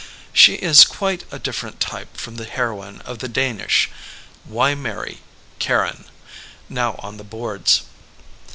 She is quite a different type from the heroine of the Danish Why Marry? — Karen, now on the boards.